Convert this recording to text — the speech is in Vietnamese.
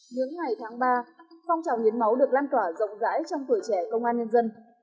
những ngày tháng ba phong trào hiến máu được lan tỏa rộng rãi trong tuổi trẻ công an nhân dân